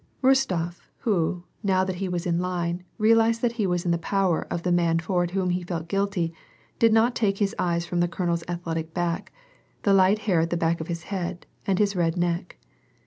Rostof, who, now that he was in line, realized that he was in the power of the man toward whom he felt guilty, did not tsike his eyes from the colonel's athletic back, the light hair at the back of his head, and his red neck.